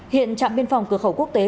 hiện trạm biên phòng cửa khẩu quốc tế